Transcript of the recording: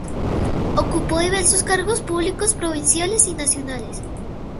Ocupó diversos cargos públicos provinciales y nacionales.